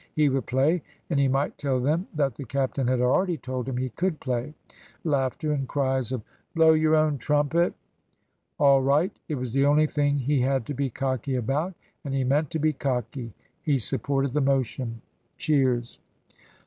He would play, and he might tell them that the captain had already told him he could play. (Laughter, and cries of "Blow your own trumpet.") All right it was the only thing he had to be cocky about; and he meant to be cocky. He supported the motion. (Cheers.)